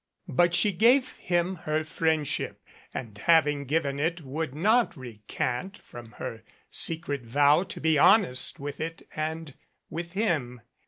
But she gave him her friendship, and having given it would not recant from her secret vow to be honest with it and with him.